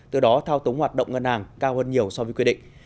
từ đó thao túng hoạt động ngân hàng cao hơn nhiều so với quy định